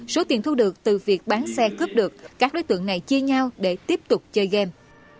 số tiền thu được từ việc bán xe cướp được các đối tượng này chia nhau để tiếp tục chơi game